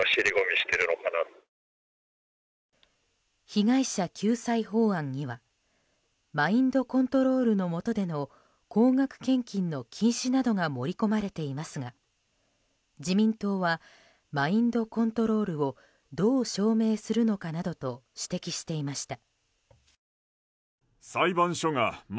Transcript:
被害者救済法案にはマインドコントロールのもとでの高額献金の禁止などが盛り込まれていますが自民党はマインドコントロールをどう証明するのかなどと指摘していました。